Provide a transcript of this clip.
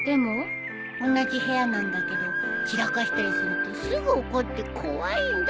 同じ部屋なんだけど散らかしたりするとすぐ怒って怖いんだ。